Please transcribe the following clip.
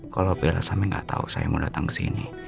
kalo pela sampe gak tau saya mau datang kesini